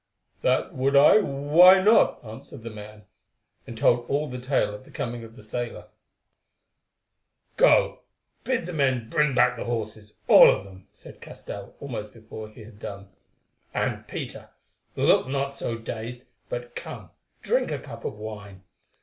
"That would I, why not?" answered the man, and told all the tale of the coming of the sailor. "Go, bid the men bring back the horses, all of them," said Castell almost before he had done; "and, Peter, look not so dazed, but come, drink a cup of wine.